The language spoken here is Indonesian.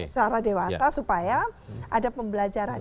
secara dewasa supaya ada pembelajaran